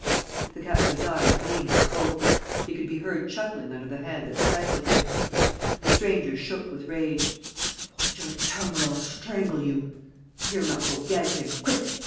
The captive's eyes gleamed with hope. He could be heard chuckling under the hand that stifled him. The stranger shook with rage: "Hold your tongue, or I'll strangle you! Here, Marco, gag him! Quick! ...